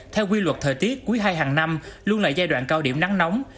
theo quy luật thời tiết cuối hai hàng năm luôn là giai đoạn cao điểm nắng nóng